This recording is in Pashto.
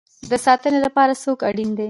د ساتنې لپاره څوک اړین دی؟